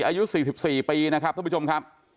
อายุ๔๔ปีนะครับท่านผู้ชมครับ